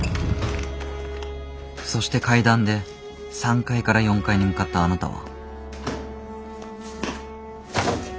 そして階段で３階から４階に向かったあなたは。